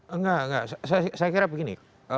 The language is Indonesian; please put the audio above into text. enggak enggak saya kira begini